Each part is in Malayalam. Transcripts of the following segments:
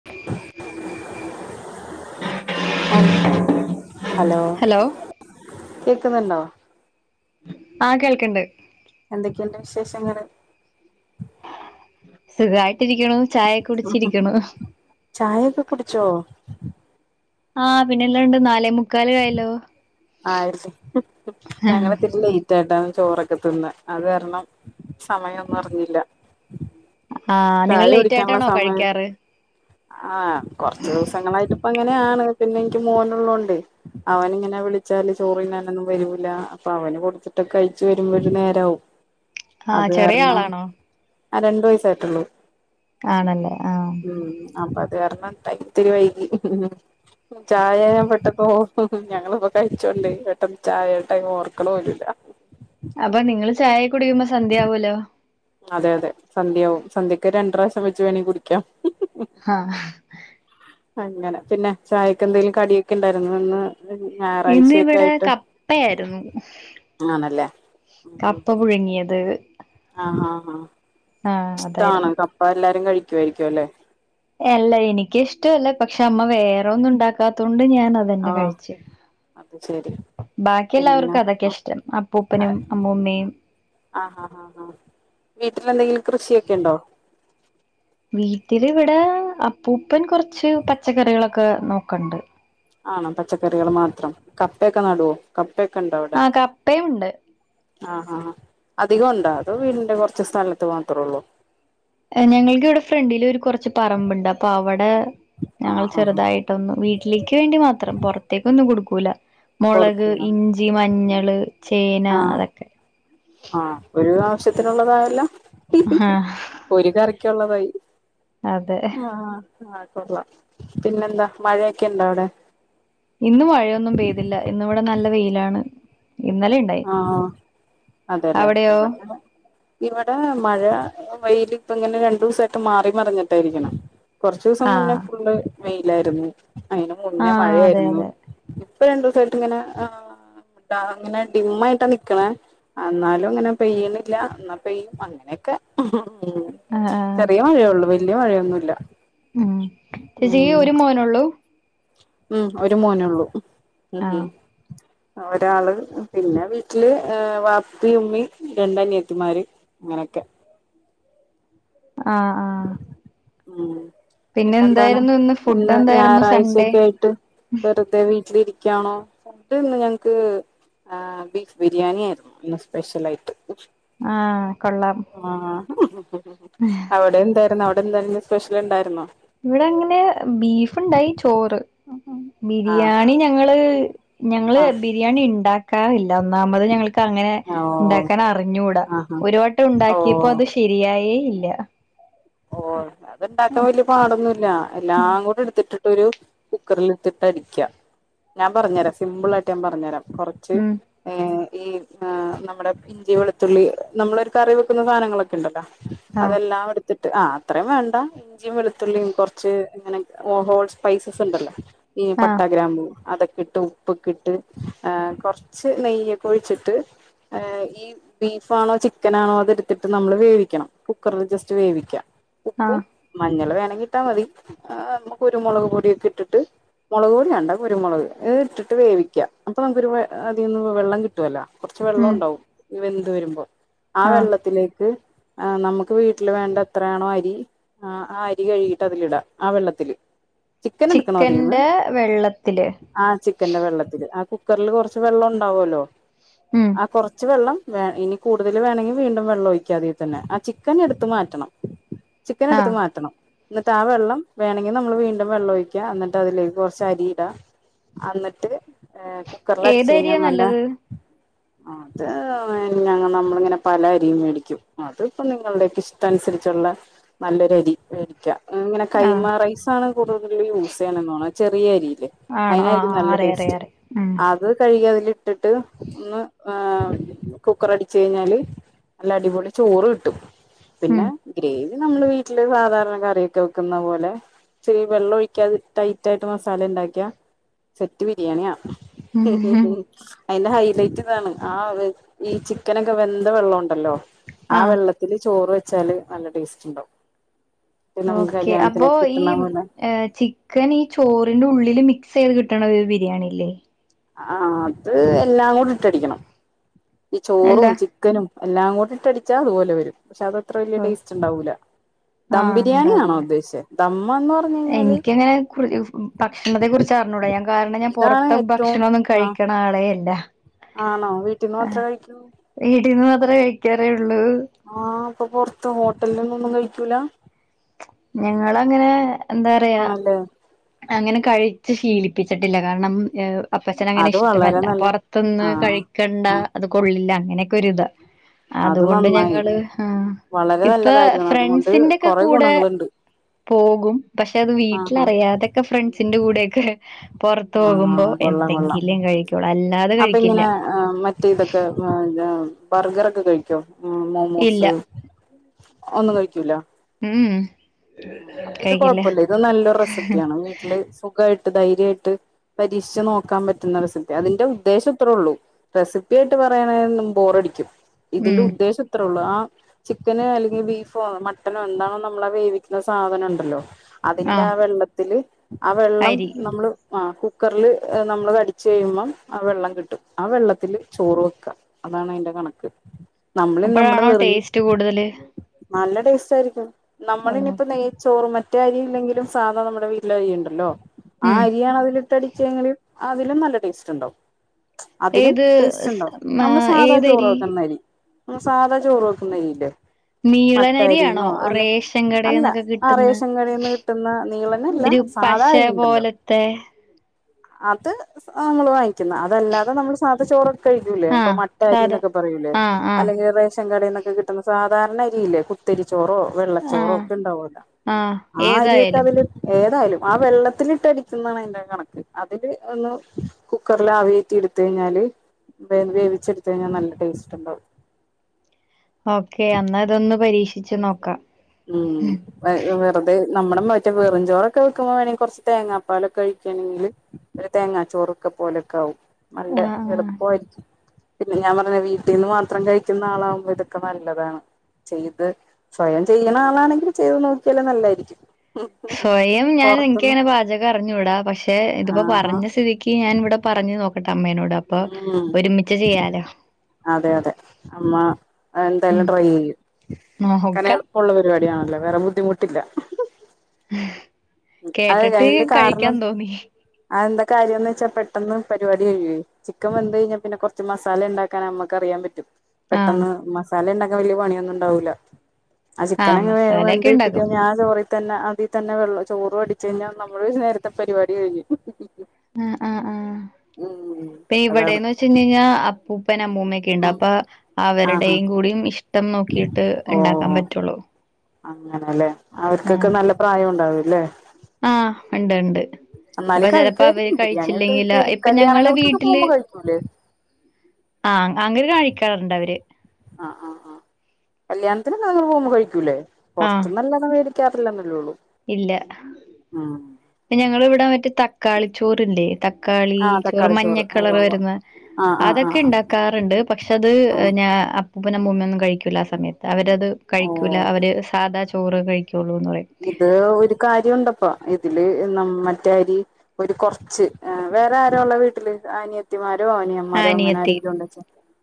[inaudible] ഹലോ കേക്കുന്നുണ്ടോ ആഹ് കേൾക്കണ്ട് എന്തക്കെയ്ണ്ട് വിശേഷങ്ങള് സുഖയിട്ടിരിക്ക്ണുചായ കുടിച്ചിരിക്ക്ണു ചായൊക്കെ കുടിച്ചോ ആഹ് പിന്നെ എല്ലാണ്ട് നാലേ മുക്കാൽ കായല്ലോ ആയിര്ഹ്ഹ് ആഹ് ഞങള് ത്തിട്ടില്ല [unintelligible] ചേട്ടാംന്ന് ചോറക്കെ തിന്ന്അത് കാരണം സമയന്നുംഅറിഞ്ഞില്ല ആഹ് നിങ്ങൾ ലേറ്റ് ആയിട്ടാണോ കഴിക്കാറ് ആഹ് കൊറച് ദിവസങ്ങളായിട്ടും പ്പ ങ്ങനെയാണ് പിന്നെ എനിക്ക് മോനുള്ളണ്ടെ അവൻ ഇങ്ങനെ വിള ച്ചാല് ചോറ്തിനാ നെന്നും വരൂല്ല അപ്പ അവന് കൊടുത്തിട്ടൊക്കെ കഴിച്ച് വരുമ്പോ ഒരു നേരവും ആഹ് അത് ചെറിയ കാരണം ആളാണോ അരണ്ടു വയസായിട്ടുള്ളൂ ആണല്ലേ ആഹ് ഉം അപ്പ അത് കാര്ണം ട്ടൈമിത്തിരി വൈകി ഉം ചായ ഞാൻ പെട്ടന്നോർതു ഞങ്ങള്പൊ കയിച്ചോണ്ടെ ഒര്ത്തൻ ചായ ടൈമ് മർക്ക്ണൂല്ല അപ്പ നിങ്ങള് ചായകുടികുമ്പൊ സന്ധ്യയാവല്ലൊ അതെ അതെ സന്ധ്യാവും സന്ധ്യക്ക് രണ്ട് പ്രാവശ്യം വെച്ച് വേണെങ്കി കുടിക്ക ആഹ് അങ്ങനെ പിന്നെ ചായക്കെന്തേലും കടിയെക്കെ ഇണ്ടാര്ന്നു ഇന്ന് ഞായറാഴ്ചയൊക്കെ ഇന്നിവിടെ ആയിട്ട് കപ്പയായിര്ന്നു ആണല്ലേ കപ്പ പുഴുങ്ങിയത് ആഹ് ആഹ് ആഹ് ഇഷ്ട്ടാണൊ അതായിരുന്നു കപ്പ എല്ലാരും കഴിക്കുവായിര്ക്കു അല്ലെ അല്ല എനിക്കിഷ്ടല്ല പക്ഷെ അമ്മ വേറൊന്നും ഇണ്ടാക്കാത്തോണ്ട് ഞാനത് തന്നെ ആഹ് കഴിച്ചു അത് ശരി ബാക്കി പിന്നെ എല്ലാവർക്കും അതൊക്കെ ആഹ് ഇഷ്ടം അപ്പൂപ്പനും അമ്മൂമ്മയും ആഹ് ആഹ് ആഹ് വീട്ടിലെന്തെങ്കിലും കൃശിയൊക്കെ ഇണ്ടൊ വീട്ടില് ഇവിടേ അപ്പൂപ്പൻ കൊറ്ച്ച് പച്ചക്കറികളൊക്ക നോക്ക്ൺണ്ട് ആണോ പച്ചക്കറികള് മാത്രം കപ്പയൊക്കെ നടുവോ കപ്പയൊക്കെ ഇണ്ടൊ അവിടെ ആഹ് കപ്പയുണ്ട് ആഹ് ആഹ് അധിക ഉണ്ടൊ ഇത് വീടിന്റ കൊറ്ച്ച് സ്ഥലത്ത് മാത്രൊള്ളു ഞങ്ങൾക്കിവിടെ ഫ്രണ്ടിലൊരു കൊറ്ച്ച് പറമ്പുണ്ട് അപ്പ അവ്ടേ ആഹ് ഞങ്ങള് ആഹ് ചെറുതായി ട്ടൊന്ന്‌ വീട്ടിലേക്ക് വേണ്ടി മാത്രം പൊറത്തേക്ക് ഒന്നും കൊടുക്കൂല മൊളക് കൊടുക്കൂല ഇ ഞ്ചി. മഞ്ഞള്, ചേന ആഹ് അതൊക്കെ ആഹ് ഒരു ആവശ്യത്തിനുള്ളതായല്ലൊ ആഹ് ഒരു കറിക്കുള്ളതായി അതെ ആഹ് ആഹ് കൊള്ള പിന്നെന്താ മഴയൊക്കെ ഇണ്ടവ്ടെ ഇന്ന് മഴയൊന്നും പെയ്തില്ല ഇന്ന് ഇവിടെ നല്ല വെയിലാണ് ഇന്നലെ ഇ ണ്ടായി ആഹ് അവിടെയോ ഇവിടേ മഴ വെയ്ല് ഇപ്പ ഇങ്ങനെ രണ്ടൂസായിട്ട് മാറി മറിഞ്ഞിട്ടയിരിക്ക്ണെ കൊറ്ച്ചൂസം മുന്നെ ആഹ് ഫുള്ള് വെയിലായിര്ന്ന് അയിന് മുന്നെ ആഹ് അതെ മഴയാര്ന്നു അതെ ഇപ്പ രണ്ടൂസായിട്ട് ഇങ്ങന ഏഹ് താർ ഇങ്ങന ഡിമ്മായിട്ട നിക്ക്ണേ അന്നാലും ഇങ്ങനെ പെയ്യ്ണില്ല ഇന്നാ പെയ്യും അങ്ങനെയൊക്കെ ആഹ് ആഹ് ചെറിയ മഴയൊള്ളു വല്യ മഴയൊന്നു ഇല്ല ഉം ചേച്ചിക്ക് ഒരു മോനൊള്ളു ഉം ഒരു മോനൊള്ളു ഉം ഉം ആഹ് ആഹ് ഒരാള് പിന്നെ വീട്ടില് ഏഹ് വാപ്പി ഉമ്മി രണ്ടനിയത്തിമാര് അങ്ങനൊക്കെ ആഹ് ആഹ് ഉം പിന്നെ പിന്നെന്താണ് എന്തായിരുന്നു ഫുഡ് ഇന്ന് എന്തായിരുന്നു ഞാറാഴ്ച്ച സൺഡേ ഒക്കെ ആയിട്ട് വെറ്തെ വീട്ടിലിരിക്ക്യാണോ ഫുഡ്ഡ് ഇന്ന് ഞങ്ങക്ക് ആഹ് ബീഫ് ബിരിയാണി ആര്ന്നു ഇന്ന് സ്പെഷ്യലായിട്ട് ആഹ് കൊള്ളാം ആഹ് അവ്ടെ എന്താര്ന്നു അവിടെല്ലാം ഇന്ന് സ്പെഷ്യല് ഇണ്ടാര്ന്നൊ ഇവിട അങ്ങനെ ബീഫ് ഇണ്ടായി ചോറ് ആഹ് ബിരിയാണി ഞങ്ങള് ഞങ്ങള് ആഹ് ബിരിയാണി ഇണ്ടാ ക്കാറില്ല ഒന്നാമത് ഞങ്ങൾക്കങ്ങനെ ആഹ് ഓഹ് ഉണ്ടാക്കാൻ അറിഞ്ഞൂടാ ആഹാ ഒരു വട്ടം ഉണ്ടാക്കിയപ്പോ ഓഹ് അത് ശ ശരിയായേ ഇല്ല ഓഹ് അതുണ്ടാക്കാൻ വല്ല്യ പാടൊന്നും ഇല്ല എല്ലാം കൂടെ എടുത്തിട്ട് ട്ടൊരു കുക്കറിൽ ഇട്ടിട്ടടിക്കാ ഞാൻ പറഞ്ഞു തരാ സിമ്പിളായിട്ട് ഞാമ്പറഞ്ഞു തരാം ച്ചെ ഉം ഏഹ് ഈഹ് ആഹ് നമ്മുടെ ഇഞ്ചി വെളുത്തുള്ളി നമ്മളൊരു കറി വെക്കുന്ന സാധനങ്ങളൊക്കെണ്ടല്ലോ ആഹ് അതെല്ലാം എടു ത്ത് ആഹ് അത്രേം വേണ്ട ഇഞ്ചിയും വെളുത്തുള്ളിയും കൊറച്ച് ഇങ്ങനെ ഹോൾസ് സ്പൈസസ് ഉണ്ടല്ലോ ഈ ആഹ് പട്ടാ ഗ്രാമ്പൂ അതൊക്കെ ഇട്ടും പ്പൊക്കിട്ട് ആഹ് കൊർച്ച് നെയ്യൊക്കെ ഒഴിച്ചിട്ട് ഏഹ് ഈ ബീഫാണോ ചിക്കനാണോ അതെടുത്തിട്ട് നമ്മളു വേവിക്കണം കുക്കറിലെ ജസ്റ്റ്‌ വേവി ആഹ് മഞ്ഞള് വേണെങ്കി ഇട്ടാ മതി ഏഹ് കുരുമുളക് പൊടി ഒക്കെ ഇട്ടിട്ട് മൊളക് പൊടി വേണ്ടാ കുരുമുളക് ഈ ഇട്ടിട്ട് വേവിയ്ക്കുക അപ്പ നമുക്കൊരു ആഹ് അതീന്ന് വെള്ളം കിട്ടുവല്ലോ കൊറച്ച് വെള്ളം ഉം ഒണ്ടാവും വെന്ത് വരുമ്പം ആ ആഹ് വെള്ളത്തിലേക്ക് ആഹ് നമുക്ക് വീട്ടിൽ വേണ്ട എത്രാണോ അരി ആ അരി കഴുകീട്ട് അതിലിടാം ആ വെള്ളത്തില് ചിക്കൻ ചിക്കന്റെ വെള്ളത്തില് ആഹ് ചിക്കന്റെ വെള്ളത്തില് ആ കുക്കറില് കുറച്ച് വെള്ളം ഉണ്ടാവല്ലോ ഉം ആഹ് കൊറച്ച് വെള്ളം വേൺ ഇനി കൂടുതൽ വേണങ്കി വീണ്ടും വെള്ളം ഒഴിക്കാം അതിൽ തന്നെ ആ ചിക്കൻ എടുത്ത് മാറ്റണം ചിക്കനെടുത്ത് ആഹ് മാറ്റണം എന്നിട്ടാ വെള്ളം വേണെങ്കി നമ്മള് വീണ്ടും വെള്ളം ഒഴിക്കാ എന്നിട്ട് അതിലേക്ക് കൊറച്ച് അരിയിടാ അന്നിട്ട് ഏഹ് കുക്കറിലടിച്ചു കഴിഞ്ഞാ ഏതരിയാ നല്ല നല്ലത് അത് ഞ നമ്മളിങ്ങനെ പല അരി മേടിക്കും അതിപ്പ നിങ്ങളുടെ ഒക്കെ ഇഷ്ട്ടനുസരി ച്ചുള്ള നല്ലൊരു അരി മേടിയ്ക്ക ഇങ്ങനെ ആഹ് കൈമാ റൈസാണ് കൂടുതലും യൂസു ചെയ്യുന്നേ ചെറിയ അരിയില്ലേ ആണോ അതിനായിരിക്കും ആഹ് നല്ല അറിയ ടേസ്റ്റ് അറിയ അറിയ ഉം ആ ഇത് കയുകി അതിലിട്ടിട്ട് ഒന്ന് ഏഹ് കുക്കറ് അടിച്ചു കയിഞ്ഞാല് നല്ലടിപൊളി ചോറ് കിട്ടും ഉം പിന്നെ ഗ്രേവി നമ്മള് വീട്ടില് സാധാരണ കറിയൊക്കെ വെക്കുന്ന പോലെ ച്ചിരി വെള്ളം ഒഴിക്കാതെ ടൈറ്റ് ആയിട്ട് മസാല ഉണ്ടാക്കിയാ സെറ്റ് ബിരിയാണിയാ ഉം [unintelligible] അയ്ന്റെ ഹൈലൈറ്റ് ഇതാണ് ആഹ് ഈ ചിക്കനൊക്കെ വെന്ത വെള്ള ഒണ്ടല്ലോ ആ ആഹ് വെള്ളത്ത് ത്തില് ചോറ് വെച്ചാല് നല്ല ടേസ്റ്റ്ണ്ടാവും ഇത് നമുക്ക് കല്യാണത്തിനൊക്കെ കിട്ടണ പോലെ എഹ് ചിക്കന് ഈ ചോറിന്റെ ഉള്ളില് മിക്സ് ചെയ്ത് കിട്ടണ ഒരു ബിരിയാണില്ലേ ആഹ് അത് എല്ലാം കൂടി ഇട്ടടിക്കണം ഈ അല്ല ചോറും ചിക് ക്കനും എല്ലാം കൂടിട്ടടിച്ചാ അതുപോലെ വരും പക്ഷെ അത് അത്ര വലിയ ഓ ടേസ്റ്റ് ഉണ്ടാവൂല ദം ആഹ് ബിരിയാണിയാണോ ഉണ്ടാവില്ല ഉദ്ദേശിച്ചെ ദമ്മന്ന് പറ എനിക്കങ്ങനെ കു ഭ് ഭക്ഷ് ഭക്ഷണത്തെ കുറിച്ച് അറിഞ്ഞൂട ഞാൻ കാരണം ഞാൻ ഇതാണ് പൊറത്തെ ഏറ്റവും ഭക്ഷണൊന്നും ആ കഴിക്കണ ആളേ അല്ല ആണോ വീട്ടീന്ന് മാത്രേ കഴിക്കൂ വീടീന്ന് മാത്രേ കഴിക്കാറേ ഉള്ളൂ ആഹ് അപ്പൊ പൊറത്ത് ഹോട്ടൽന്നൊന്നും കഴിക്കൂല ഞങ്ങളങ്ങനെ എന്താ പറയാ ആണല്ലേ അങ്ങനെ കഴിച്ചു ശീലിപ്പിച്ചിട്ടില്ല കാരണം എ അപ്പച്ഛന് അങ്ങനെ അത് വളരെ ഇഷ്ടല്ല നല്ല പൊറത്ത്ന്ന് ആഹ് കഴിക്കണ്ട ആഹ് അത് കൊള്ളില്ല അങ്ങനെയൊക്കെ ഒരിതാ അത് അതുകൊണ്ട് നന്നായി ഞങ്ങള് ആ വളരെ ഇപ്പ നല്ല കാര്യമാണ് അതുകൊണ്ട് ഫ്രണ്ട്സിന്റെക്കെ കൊറെ കൂടെ ഗുണങ്ങളുണ്ട് പോകും പക്ഷെ അത് ആഹ് വീട്ടിലറിയാതെ ക്കെ ഫ്രണ്ട്സിന്റെ കൂടെ ഒക്കെ പുറത്ത് ആഹ് പോകുമ്പോ ആഹ് കൊള്ളാം കൊള്ളാം എന്തെങ്കിലും കഴിക്കുള്ളു അല്ലാ അപ്പൊ ഇങ്ങനെ മറ്റേ ഇതൊക്കെ ഇ ഇത് ബർഗറൊക്കെ കഴിക്കോ ഇല്ല മോമോസ് ഒന്നും കഴിക്കൂല ഉം ഉം അപ്പൊ ഇത് കഴിക്കില്ല കൊഴപ്പല്ല ഇത് നല്ലൊരു റെസിപ്പിയാണ് വീട്ടില് സുഖായിട്ട് ധൈര്യായിട്ട് പരീക്ഷിച്ച് നോക്കാൻ പറ്റുന്ന റെസിപ്പിയാ അതിന്റെ ഉദ്ദേശം ഇത്രേ ഉള്ളൂ റെസിപ്പി ആയിട്ട് പറയാണെന്ന് ബോറടിക്കും. ഇതിന്റെ ഉം ഉദ്ദേശം ഇത്രേള്ളൂ ആ ചിക്കന് അല്ലെങ്കിൽ ബീഫോ മട്ടനോ എന്താണോ നമ്മളാ വേവി ന്ന സാധനം ണ്ടല്ലോ അതിന്റെ ആഹ് ആ വെള്ളത്തില് ആ വെള്ളം അരി നമ്മള് ആ കുക്കറില് നമ്മള് അടിച്ചു കഴിയുമ്പം ആ വെള്ളം കിട്ടും ആ വെള്ളത്തില് ചോറ് വെക്കാ അതാണ് അതിന്റെ കണക്ക് നമ്മളിന്ന് നമ്മടെ അപ്പോഴാണോ വെറക് ടേസ്റ്റ് കൂടുതല് നല്ല ടേസ്റ്റ് ആയിരിക്കും നമ്മളിനി ഓഹ് നെയ് ചോറും മറ്റേ അരി ഇല്ലെങ്കിലും സാധ നമ്മുടെ വീട്ടില് അരി ഉണ്ടല്ലോ ആ ഉം അരിയാണതില് ട്ട് വേച്ചെങ്കില് അതിലും നല്ല ടേസ്റ്റ് ണ്ടാവും അതിനും ഏത് സ് ടേസ്റ്റ്ണ്ടാവും മ നമ്മള് സാധാ ചോറ് ഏതരി വെക്കുന്നരി സാധാ ചോറ് വെക്കുന്ന അരില്ലേ മട്ടഅ നീളനരിയാണോ രിന്നോ അല്ലെ റേഷൻ അല്ല കടേന്നൊക്കെ ആ കിട്ടുന്ന റേഷൻകടേന്ന് കിട്ടുന്ന നീളനല്ല ഒരു പശ സാധാരിണ്ടല്ലോ പോലത്തെ അത് സ് നമ്മൾ വാങ്ങിക് ക്കുന്നെ അതല്ലാതെ നമ്മള് സാധ ചോറൊക്ക കഴിക്കൂലേ ഇപ്പൊ ആഹ് മട്ട സാധാ അരിന്നൊക്കെ പറയൂലേ ആഹ് ആഹ് അല്ലെങ്കിൽ റേഷൻ കടയിന്നൊക്കെ കിട്ടുന്ന സാധാരണ അരിയില്ലെ കുത്തരിച്ചോറോ വെള്- ള്ള ചോറോ ആഹ് ഒക്കെ ഉണ്ടാവുല്ലോ ആഹ് ആ അരിക്കെ ഏതായാലും അതില് ഏതായാലും ആ വെള്ളത്തിലിട്ടടിക്കുന്നതാണ് അതിന്റെ ആ കണക്ക് അതില് ഒന്ന് കുക്കറിൽ ആവിയേറ്റി എടുത്ത് കഴിഞ്ഞാല് വേല് വേവിച്ചെടുത്ത് കഴിഞ്ഞാൽ നല്ല ടേസ്റ്റ് ണ്ടാവും. ഓക്കെ അന്നാ ഇതൊന്ന് പരീക്ഷിച്ച് നോക്കാ ഉം വ് വെറുതെ നമ്മടെ മറ്റേ വെറും ചോറൊക്കെ വെക്കുമ്പോ വേണെങ്കി കുറച്ച് തേങ്ങാപ്പാലൊക്കെ ഒഴിക്കയാണെങ്കില് തേങ്ങാ ചോറൊക്കെ പോലൊക്കെ ആവും നല്ല ആഹ് ആഹ് എളുപ്പായിരിക്കും. പിന്നെ ഞാൻ പറഞ്ഞത് വീട്ടിൽ നിന്ന് മാത്രം കഴിക്കുന്ന ആളാകുമ്പോ ഇതൊക്കെ നല്ലതാണ് ചെയ്ത് സ്വയം ചെയ്യണ ആളാണെങ്കിൽ ചെയ്ത് നോക്കിയാലും നല്ലായിരിക്കും സ്വയം ഞാൻ എനിക്ക് പൊറത്തുന്ന് അങ്ങനെ പാചകം അറിഞ്ഞുടാ പക്ഷെ ഇതിപ്പോ ആഹാ പറഞ്ഞ സ്ഥിതി ക്ക് ക്ക് ഞാൻ ഇവിടെ പറഞ്ഞു നോക്കട്ടെ അമ്മേനോട് അപ്പൊ ഉം ഒരുമിച്ച് ചെയ്യാലോ അതെ അതെ അമ്മ അത് എന്തായാലും ഉം ട്രൈ ചെയ്യും കാരണം നോക്കാം എളുപ് പ്പം ഉള്ള പരിപാടിയണല്ലോ വേറെ ബുദ്ധിമുട്ടില്ല അത് കേട്ടിട്ട് അതിന്റെ കഴിക്കാൻ കാരണം തോന്നി അതെന്താ കാര്യംന്ന് വെച്ചാ പെട്ടന്ന് പരിപാടി കഴിയ്യേ ചിക്കൻ വെന്ത് കഴിഞ്ഞാൽ പിന്നെ കുറച്ച് മസാല ഉണ്ടാക്കാൻ അമ്മക്ക് അറിയാൻ പറ്റും. ആഹ് പെട്ടെന്ന് മസാല ഉണ്ടാക്കാൻ വലിയ പണിയൊന്നും ഉണ്ടാവൂല്ല ആ ചിക്കൻ ആഹ് അങ് വേഗം വെന്ത് മസാലയൊക്കെ കിട്ടി ഇണ്ടാക്കും കഴിഞ്ഞാ ആ ചോറിതന്നെ അതി തന്നെവെള്ള ചോറ് വടിച്ചു കഴിഞ്ഞാൽ നമ്മളെ ഒരു നേരത്തെ പരിപാടി കഴിഞ് ആഹ് ആഹ് ആഹ് പ്പെ അതാണ് ഇവിടെന്ന് വെച്ച് കഴിഞ് കഴിഞ്ഞാൽ അപ്പൂപ്പൻ അമ്മൂമ്മേ ക്കെണ്ട് ഉം അപ്പൊ ആഹാ അവരുടെയും കൂടിയും ഇഷ്ടം നോക്കിയിട്ട് ണ്ടാക്കാൻ പറ്റുള്ളു അങ്ങനെല്ലെ അവർക്കൊക്കെ നല്ല പ്രായം ഉണ്ടാവുല്ലേ ആഹ് ണ്ട് ണ്ട്. അപ്പൊ എന്നാലും ചെലപ്പോ അവര് കഴിക്കുവായിരിക്കും ബിരിയാണിയൊക്കെ കഴിച്ചില്ലെങ്കിലോ കഴിക്കുവായിരിക്കും ഇപ്പൊ ഞങ്ങള് കല്യാണങ്ങൾക്കൊക്കെ വീട്ടില് പോകുമ്പോ കഴിക്കൂലേ ആ അൻ അങ്ങര് കാഴിക്കാറുണ്ടവര്. ആ ആ ആ കല്യാണത്തിന് ഞങ്ങള് പോകുമ്പോ കഴിക്കൂല്ലേ? ആഹ് പുറത്തുന്നല്ലാതെ വേടി ക്കാറില്ലന്നല്ലേ ഒള്ളൂ ഇല്ല ഉം പിന്നെ ഞങ്ങളിവിടെ മറ്റേ തക്കാളി ചോറില്ലേ? തക്കാളി ആഹ് ചോറ് തക്കാളി മഞ്ഞ ഉവ്വ് കളർ ഉവ്വ് വരുന്ന ആഹ് ആഹ് ആഹ് അതൊക്കെ ആഹ് ഇണ്ടാക്കാറുണ്ട്. പക്ഷെ അത് ആഹ് ഞ അപ്പൂപ്പനും അമ്മൂമ്മയൊന്നു കഴിക്കൂല്ല ആ സമയത്ത് അവരത് കഴിക്കൂല ഓഹ് അവര് സാധാ ചോറ് കഴിക്കുള്ളൂ എന്ന് പറയും. ഇത് ഒരു കാര്യം ഉണ്ടപ്പം ഇതില് നമ്മ മറ്റേ അരി ഒരു കുറച്ച്. വേറെ ആരാ ഉള്ളത് വീട്ടില്? അനിയത്തിമാരോ അനിയൻ ആഹ് മരോ അങ്ങനെ അനിയത്തി ആരെങ്കിലും ഉണ്ടച്ച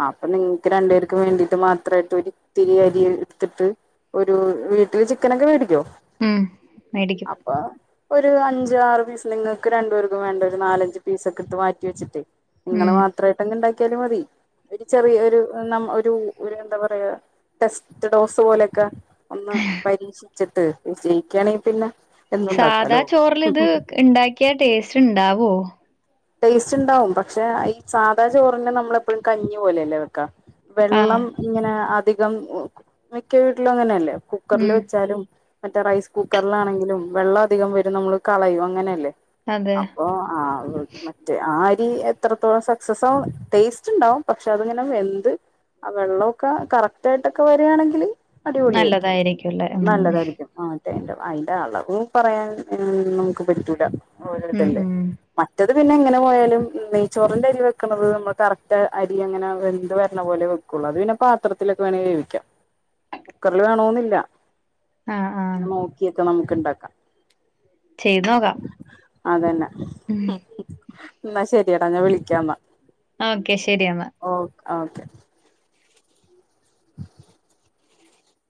ആ അപ്പൊ നിങ്ങക്ക് രണ്ടുപേർക്ക് വേണ്ടിട്ട് മാത്രമായിട്ട് ഒരിത്തിരി അരി എടുത്തിട്ട് ഒരു വീട്ടില് ചിക്കനൊക്കെ മേടിക്കോ? ഉം മേടിക്കും അപ്പ ഒരു അഞ്ചാറ് പീസ് നിങ്ങൾക്ക് രണ്ടു പേർക്കും വേണ്ടി ഒരു നാലഞ്ച്പീസക്കെ എടുത്ത് മാറ്റി വെച്ചിട്ടേ നിങ്ങള് ഉം മാത്രമായിട്ട് അങ് ഉണ്ടാക്കിയാലും മതി. ഒരു ചെറിയ ഒരു നമ് ഒരു ഒരു എന്താ പറയാ ടെസ്റ്റ് ഡോസ് പോലെക്ക ഒന്ന് പരീക്ഷിച്ചിട്ട് വിജയിക്കയാണെങ്കിൽ പിന്നെ സാധാ എന്നുണ്ടാക്കാലോ ചോറിൽ ഇത് ഇണ്ടാക്കിയ ടേസ്റ്റ് ഉണ്ടാവോ? ടേസ്റ്റ് ഉണ്ടാവും. പക്ഷെ ഈ സാധാ ചോറിനെ നമ്മള് ഇപ്പോഴും കഞ്ഞി പോലെയല്ലേ വെക്കാ. ആഹ് വെള്ളം ഇങ്ങനെ അധികം മിക്ക വീട്ടിലും അങ്ങനെയല്ലേ കുക്കറിൽ ഉം വെച്ചാലും മറ്റേ റൈസ് കുക്കറിലാണെങ്കിലും വെള്ളം അധികം വരും നമ്മള് കളയും. അങ്ങനെയല്ലേ? അതെ അപ്പൊ ആ മറ്റേ ആ അരി എത്രത്തോളം സക്സസ് ആകും ടേസ്റ്റ് ഉണ്ടാവും പക്ഷെ അതിങ്ങനെ വെന്ത് ആ വെള്ളോക്കെ കറക്റ്റ് ആയിട്ടൊക്കെ വരികാണെങ്കില് അടിപൊളിയായിരിക്കും നല്ലതായിരിക്കുംല്ലേ ഉം നല്ലതായിരിക്കും. ആ അതിന്റെ അളവ് പറയാൻ മ് നമുക്ക് പറ്റൂല. ഓരോ ഉം ഇതല്ലേ ഉം മറ്റത് പിന്നെ എങ്ങനെ പോയാലും നെയ്ച്ചോറിന്റെ അരി വെക്കണുന്നത് നമ്മൾ കറക്റ്റ് അരി അങ്ങനെ വെന്ത് വരണ പോലെ വെ ക്കോള് അത് പിന്നെ പാത്രത്തിലൊക്കെ വേണേ വേവിക്കാം. കുക്കറിൽ വേണോന്നില്ല. ആ ആ ഇങ്ങനെ നോക്കിയൊക്കെ നമ്മുക്ക് ഉണ്ടാക്കാം. ചെയ്തു നോക്കാം. അത് തന്നെ എന്നാ ശരിയടാ ഞാൻ വിളിക്കാം എന്നാ. ആഹ് ഓക്കെ ശരിയെന്നാ. ഓ ഓക്കെ.